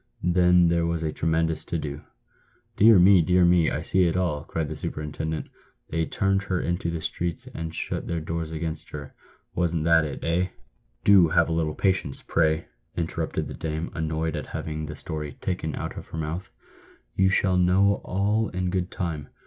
Then there was a tremendous to do !" "Dear me! dear me! I see it all!" cried the superintendent. " They turned her into the streets and shut their doors against her. Wasn't that it— eh?" # "Do have a little patience — pray !" interrupted the dame, annoyed at having the story " taken out of her mouth." " You shall know all in good time.